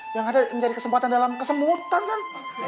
yang ada menjadi kesempatan dalam kesemutan kan